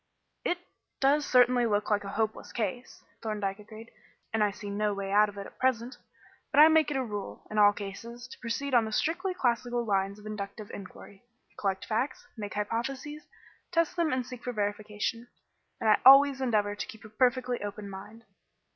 "It does certainly look like a hopeless case," Thorndyke agreed, "and I see no way out of it at present. But I make it a rule, in all cases, to proceed on the strictly classical lines of inductive inquiry collect facts, make hypotheses, test them and seek for verification. And I always endeavour to keep a perfectly open mind.